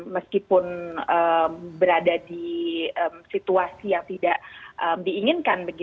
meskipun berada di situasi yang tidak diinginkan